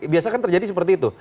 biasa kan terjadi seperti itu